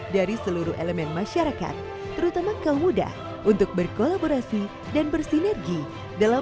dari seluruh elemen masyarakat terutama kaum muda untuk berkolaborasi dan bersinergi dalam